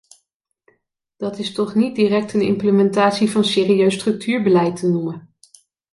Dat is toch niet direct een implementatie van serieus structuurbeleid te noemen!